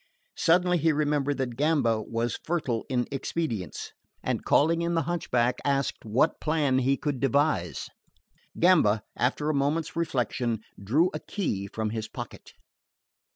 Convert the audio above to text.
Suddenly he remembered that Gamba was fertile in expedients, and calling in the hunchback, asked what plan he could devise. Gamba, after a moment's reflection, drew a key from his pocket.